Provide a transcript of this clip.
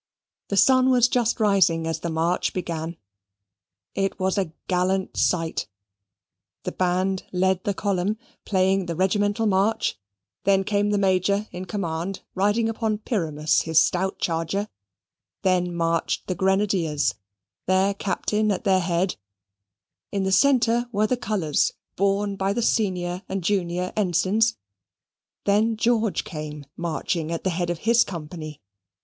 The sun was just rising as the march began it was a gallant sight the band led the column, playing the regimental march then came the Major in command, riding upon Pyramus, his stout charger then marched the grenadiers, their Captain at their head; in the centre were the colours, borne by the senior and junior Ensigns then George came marching at the head of his company.